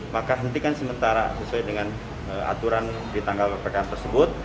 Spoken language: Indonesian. maka hentikan sementara sesuai dengan aturan di tanggal ppkm tersebut